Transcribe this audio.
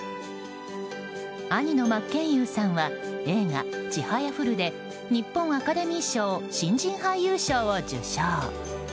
兄の真剣佑さんは映画「ちはやふる」で日本アカデミー賞新人俳優賞を受賞。